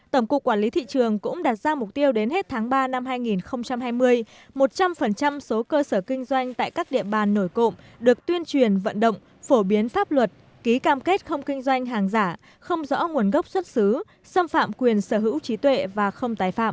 tổng cục quản lý thị trường cũng đặt ra mục tiêu đến hết tháng ba năm hai nghìn hai mươi một trăm linh số cơ sở kinh doanh tại các địa bàn nổi cộng được tuyên truyền vận động phổ biến pháp luật ký cam kết không kinh doanh hàng giả không rõ nguồn gốc xuất xứ xâm phạm quyền sở hữu trí tuệ và không tái phạm